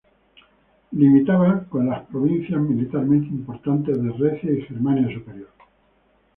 Limitaba con las provincias, militarmente importantes, de Recia y Germania Superior.